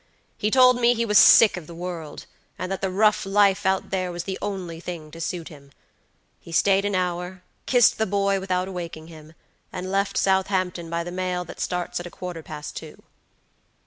He told me he was sick of the world, and that the rough life out there was the only thing to suit him. He stayed an hour, kissed the boy without awaking him, and left Southampton by the mail that starts at a quarter past two."